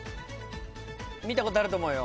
見たことあると思うよ。